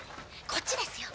こっちですよ！